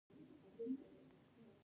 شهادت کوم مقام دی؟